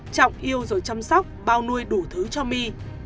trọng yêu rồi chăm sóc bao nuôi đủ thứ cho my